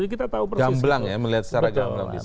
gambelang ya melihat secara gambelang